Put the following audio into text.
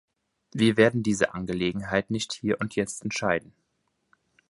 Wir werden diese Angelegenheit nicht hier und jetzt entscheiden.